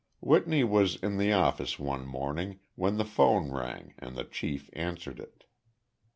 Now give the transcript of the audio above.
Whitney was in the office one morning when the phone rang and the chief answered it.